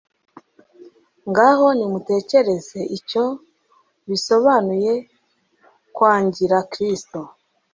Ngaho nimutekereze icyo bisobanuye kwangira Kristo!